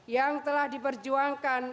yang telah diperjuangkan